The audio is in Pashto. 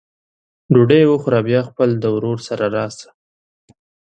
ډوډۍ وخوره بیا خپل د ورور سره راسه!